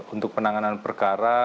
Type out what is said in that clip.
untuk penanganan perkara